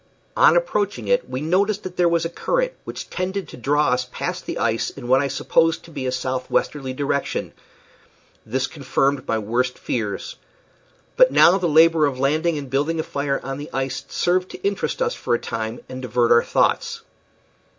On approaching it we noticed that there was a current which tended to draw us past the ice in what I supposed to be a southwesterly direction. This confirmed my worst fears. But now the labor of landing and building a fire on the ice served to interest us for a time and divert our thoughts.